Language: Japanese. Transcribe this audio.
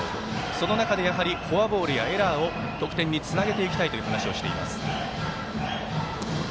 その中で、やはりフォアボールやエラーを得点につなげていきたいという話をしています。